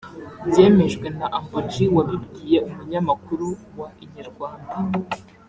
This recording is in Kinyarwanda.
byemejwe na Humble G wabibwiye umunyamakuru wa Inyarwanda